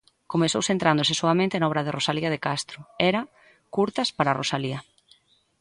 Comezou centrándose soamente na obra de Rosalía de Castro, era 'Curtas para Rosalía'.